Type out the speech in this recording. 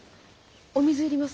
お水要ります？